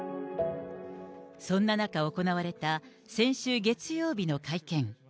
そんな中、行われた先週月曜日の会見。